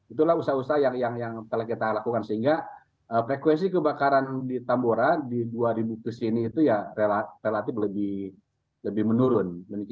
itulah usaha usaha yang telah kita lakukan sehingga frekuensi kebakaran di tambora di dua ribu ke sini itu ya relatif lebih menurun